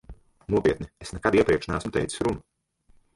Nopietni, es nekad iepriekš neesmu teicis runu.